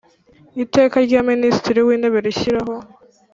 Iteka rya Minisitiri w Intebe rishyiraho